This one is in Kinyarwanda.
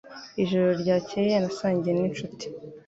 Ijoro ryakeye nasangiye ninshuti.